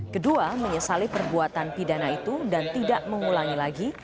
kedua menyesali perbuatan pidana itu dan tidak mengulangi lagi